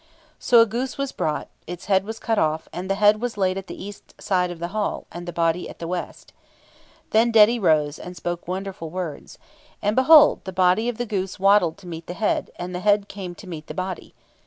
So a goose was brought; its head was cut off; and the head was laid at the east side of the hall, and the body at the west. Then Dedi rose, and spoke wonderful words. And, behold! the body of the goose waddled to meet the head, and the head came to meet the body.